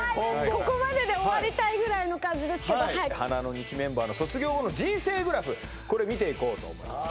ここまでで終わりたいぐらいの感じですけど華の２期メンバーの卒業後の人生グラフこれ見ていこうと思います